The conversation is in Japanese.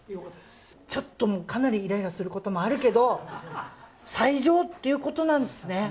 ちょっと、かなりイライラすることもあるけど最上っていうことなんですね。